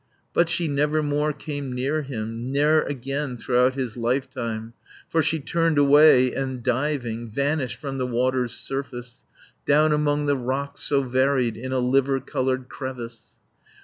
But she never more came near him, Ne'er again throughout his lifetime; For she turned away, and, diving, 140 Vanished from the water's surface Down among the rocks so varied, In a liver coloured crevice.